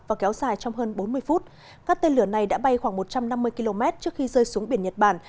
và kéo dài trong hơn bốn mươi phút các tên lửa này đã bay khoảng một trăm năm mươi km trước khi rơi xuống biển nhật bản